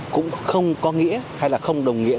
cũng không có nghĩa hay là không đồng nghĩa